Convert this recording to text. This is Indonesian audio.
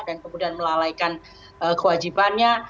dan kemudian melalaikan kewajibannya